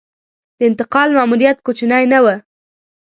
د انتقال ماموریت کوچنی نه و.